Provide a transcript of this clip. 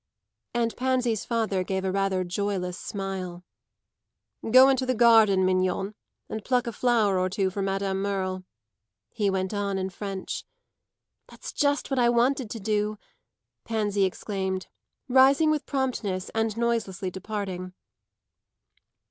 And Pansy's father gave rather a joyless smile. "Go into the garden, mignonne, and pluck a flower or two for Madame Merle," he went on in French. "That's just what I wanted to do," Pansy exclaimed, rising with promptness and noiselessly departing.